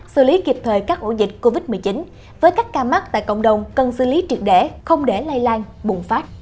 xử lý kịp thời các ổ dịch covid một mươi chín với các ca mắc tại cộng đồng cần xử lý triệt để không để lây lan bùng phát